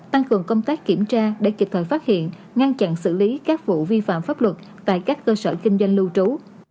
tăng cường công tác kiểm tra để kịp thời phát hiện ngăn chặn xử lý các vụ vi phạm pháp luật tại các cơ sở kinh doanh lưu trú